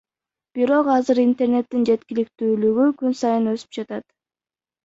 Бирок азыр интернеттин жеткиликтүүлүгү күн сайын өсүп жатат.